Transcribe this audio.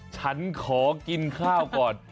ฉันขอกินข้าวก่อน